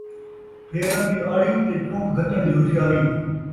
پھیرݨ دی آڑی، تے چنگ گھتݨ دی ہشیاری